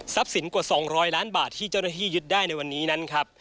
สินกว่า๒๐๐ล้านบาทที่เจ้าหน้าที่ยึดได้ในวันนี้นั้นครับ